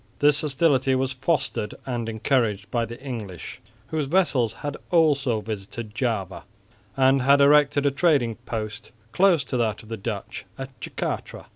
This hostility was fostered and encouraged by the English, whose vessels had also visited Java and had erected a trading post close to that of the Dutch at Jacatra.